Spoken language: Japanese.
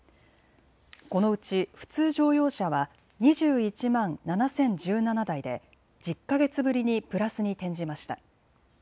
このうち普通乗用車は２１万７０１７台で１０か月ぶりにプラスに転じました。